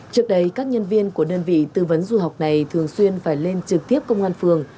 trước đây các nhân viên của đơn vị tư vấn du học này thường xuyên phải lên trực tiếp công an phường